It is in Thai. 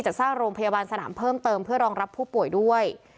จะสร้างโรงพยาบาลสนามเพิ่มเติมเพื่อรองรับผู้ป่วยด้วย